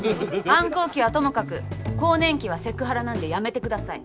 反抗期はともかく更年期はセクハラなんでやめてください。